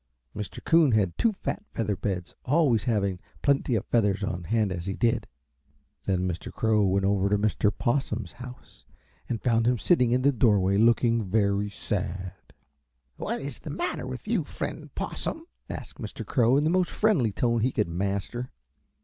Mr. Coon had two fat feather beds, always having plenty of feathers on hand as he did. Then Mr. Crow went over to Mr. Possum's house and found him sitting in the doorway, looking very sad. "What is the matter with you, Friend Possum?" asked Mr. Crow in the most friendly tone he could master.